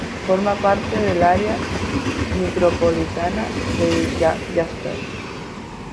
Forma parte del área micropolitana de Jasper.